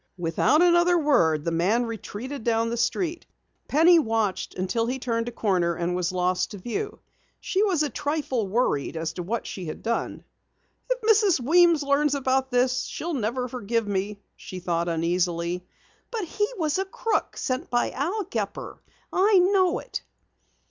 Without another word, the man retreated down the street. Penny watched until he turned a corner and was lost to view. She was a trifle worried as to what she had done. "If Mrs. Weems learns about this she'll never forgive me," she thought uneasily. "But he was a crook sent by Al Gepper. I know it."